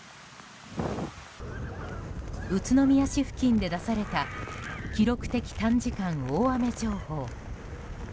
宇都宮市付近で出された記録的短時間大雨情報。